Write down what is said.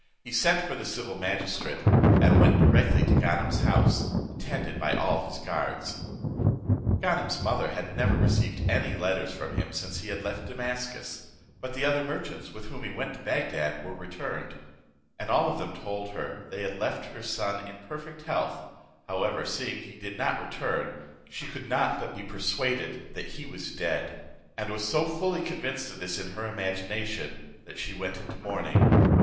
He sent for the civil magistrate; and went directly to Ganem's house, attended by all his guards. Ganem's mother had never received any letter from him since he had left Damascus; but the other merchants with whom he went to Bagdad were returned, and all of them told her they had left her son in perfect however, seeing he did not return, she could not but be persuaded that he was dead, and was so fully convinced of this in her imagination, that she went into mourning.